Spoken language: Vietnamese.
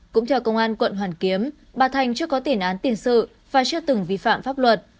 cũng theo công an quận hoàn kiếm bà thành chưa có tiền án tiền sự và chưa từng vi phạm pháp luật